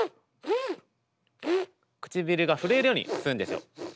唇が震えるように吸うんですよ。